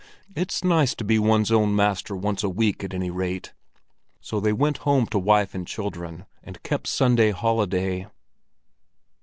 It's nice to be one's own master once a week, at any rate." So they went home to wife and children, and kept Sunday holiday.